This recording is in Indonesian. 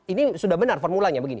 ini sudah benar formulanya begini